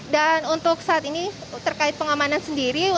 untuk saat ini terkait pengamanan sendiri